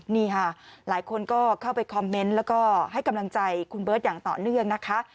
นี่ค่ะหลายคนก็เข้าไปคอมเมนต์แล้วก็ให้กำลังใจคุณเบิร์ตอย่างต่อเนื่องนะคะ